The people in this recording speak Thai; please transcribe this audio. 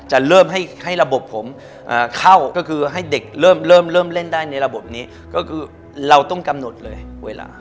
จะเริ่มให้ระบบผมเข้าก็คือให้เด็กเริ่มเริ่มเล่นได้ในระบบนี้ก็คือเราต้องกำหนดเลยเวลา